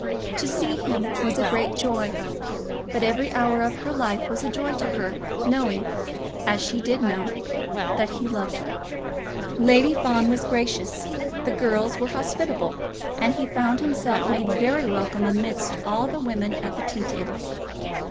To see him was a great joy. But every hour of her life was a joy to her, knowing, as she did know, that he loved her. Lady Fawn was gracious, the girls were hospitable, and he found himself made very welcome amidst all the women at the tea table.